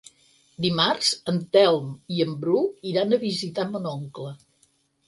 Dimarts en Telm i en Bru iran a visitar mon oncle.